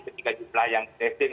ketika jumlah yang testing